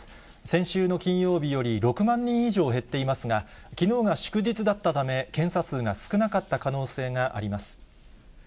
先週の金曜日より６万人以上減っていますが、きのうが祝日だったため、検査数が少なかった可能性があります。